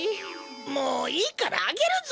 もういいからあげるぞ！